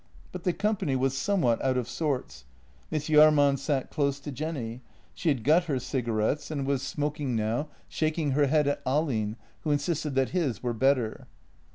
But the company was somewhat out of sorts. Miss Jahrman sat close to Jenny; she had got her cigarettes and was smoking 26 JENNY now, shaking her head at Ahlin, who insisted that his were better.